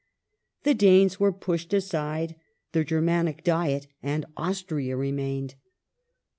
The Danes were pushed aside ; the Germanic Diet and Austria remained.